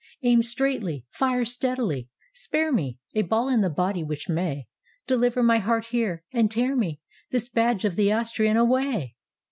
"Aim straightly, fire steadily! spare me A ball in the body which may Deliver my heart here and tear me This badge of the Austrian away!"